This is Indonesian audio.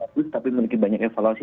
bagus tapi memiliki banyak evaluasi